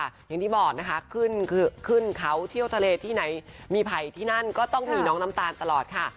อย่างที่บอกนะคะขึ้นเขาเที่ยวทะเลที่ไหนมีไผ่ที่นั่นก็ต้องมีน้องน้ำตาลตลอดค่ะ